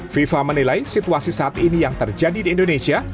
fifa menilai situasi saat ini yang terjadi di indonesia